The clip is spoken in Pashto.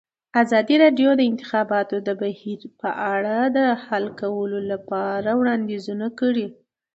ازادي راډیو د د انتخاباتو بهیر په اړه د حل کولو لپاره وړاندیزونه کړي.